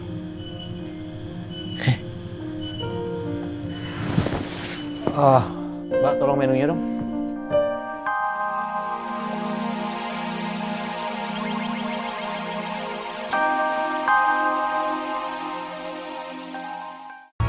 mbak tolong menunya dong